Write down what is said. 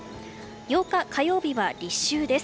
８日、火曜日は立秋です。